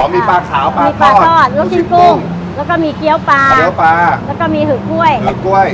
อ๋อมีปลาขาวปลาทอดลูกชิ้นกุ้งแล้วก็มีเกี้ยวปลาแล้วก็มีหือก้วย